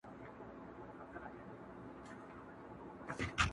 سړی راوستی عسکرو و قاضي ته.